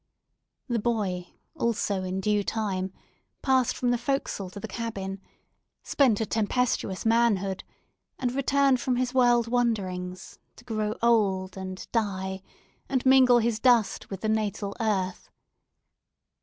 The boy, also in due time, passed from the forecastle to the cabin, spent a tempestuous manhood, and returned from his world wanderings, to grow old, and die, and mingle his dust with the natal earth.